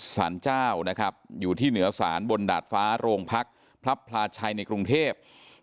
สารเจ้านะครับอยู่ที่เหนือสารบนดาดฟ้าโรงพักพระพลาชัยในกรุงเทพ